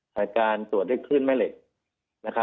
ประการตัวได้ขึ้นไม่เหล็ก